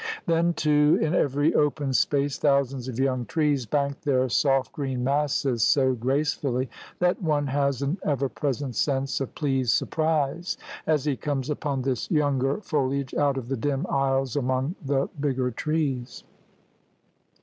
Then, too, in every 92 THE RED MAN'S CONTINENT open space thousands of young trees bank their soft green masses so gracefully that one has an ever present sense of pleased surprise as he comes upon this younger foliage out of the dim aisles among the bigger trees.